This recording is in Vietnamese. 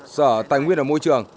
sở tài nguyên môi trường